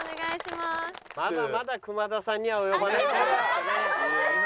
まだまだ熊田さんには及ばない。